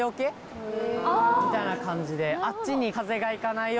みたいな感じで。